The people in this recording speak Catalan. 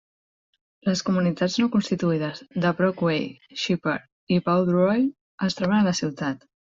Les comunitats no constituïdes de Brockway, Sheppard i Vaudreuil es troben a la ciutat.